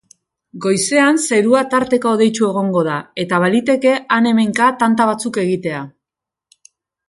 Goizean zerua tarteka hodeitsu egongo da eta baliteke han-hemenka tanta batzuk egitea.